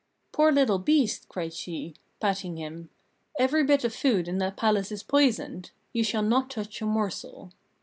"Poor little beast!" cried she, patting him, "every bit of food in that palace is poisoned; you shall not touch a morsel."